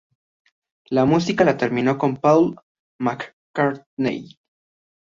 La música la terminó con Paul McCartney.